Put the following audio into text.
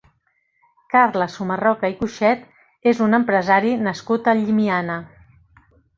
Carles Sumarroca i Coixet és un empresari nascut a Llimiana.